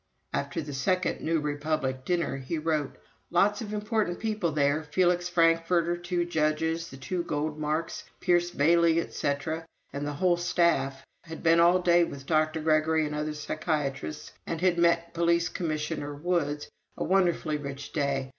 After the second "New Republic" dinner he wrote: "Lots of important people there ... Felix Frankfurter, two judges, and the two Goldmarks, Pierce Bailey, etc., and the whole staff. ... Had been all day with Dr. Gregory and other psychiatrists and had met Police Commissioner Woods ... a wonderfully rich day.